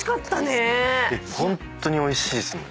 ホントにおいしいっすもん。